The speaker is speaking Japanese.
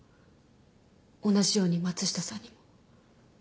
同じように松下さんにも。